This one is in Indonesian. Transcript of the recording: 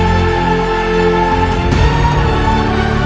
jangan lupa untuk bilang